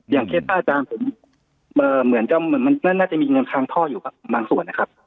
อย่างเคสอาจารย์เหมือนมันน่าจะมีเงินทางท่ออยู่บางส่วนนะครับ